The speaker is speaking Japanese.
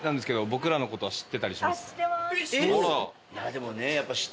でもね。